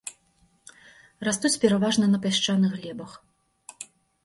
Растуць пераважна на пясчаных глебах.